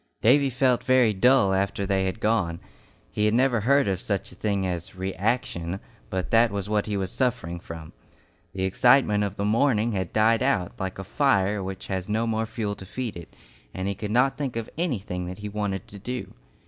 Davy felt very dull after they had gone. He had never heard of such a thing as "reaction," but that was what he was suffering from. The excitement of the morning had died out like a fire which has no more fuel to feed it, and he could not think of anything that he wanted to do.